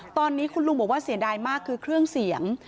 ตอนนี้คุณลุงบอกว่าเสียดายมากคือเครื่องเสียง